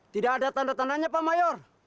tidak ada tanda tandanya pak mayor